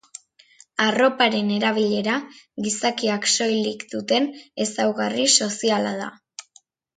Arroparen erabilera gizakiak soilik duten ezaugarri soziala da.